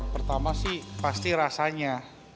pertama sih pasti rasanya